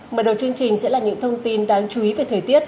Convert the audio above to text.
mở đầu chương trình sẽ là những thông tin đáng chú ý về thời tiết